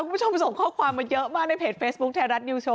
คุณผู้ชมส่งข้อความมาเยอะมากในเพจเฟซบุ๊คไทยรัฐนิวโชว